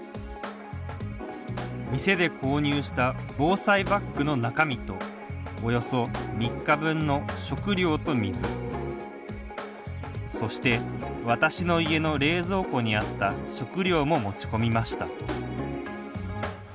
店で購入した防災バッグの中身とおよそ３日分の食料と水そして、私の家の冷蔵庫にあった食料も持ち込みました。